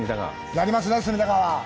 やりますね、隅田川。